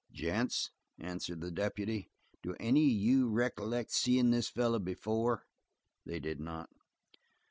"Gents," answered the deputy, "do any of you recollect seein' this feller before?" They did not.